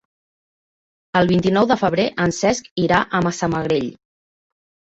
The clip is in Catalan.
El vint-i-nou de febrer en Cesc irà a Massamagrell.